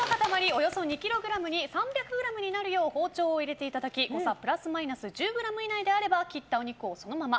およそ２ｋｇに３００ｇになるよう包丁を入れていただき誤差プラスマイナス１０ｇ以内であれば切ったお肉をそのまま。